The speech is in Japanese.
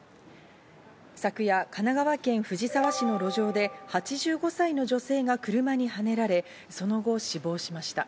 昨夜、神奈川県藤沢市の路上で８５歳の女性が車にはねられ、その後死亡しました。